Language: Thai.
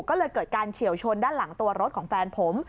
ก็เลยเกิดการเฉียวชนด้านหลังตัวรถของแฟนผม